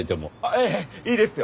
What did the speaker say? ええいいですよ。